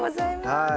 はい。